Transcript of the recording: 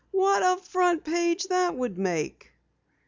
"What a front page that would make!"